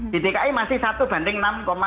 di dki masih satu banding